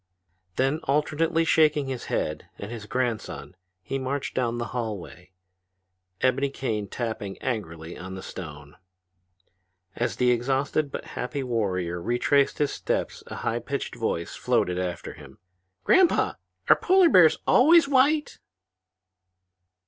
Then alternately shaking his head and his grandson he marched down the hallway, ebony cane tapping angrily upon the stone. As the exhausted but happy warrior retraced his steps a high pitched voice floated after him. "Grandpa, are polar bears always white?"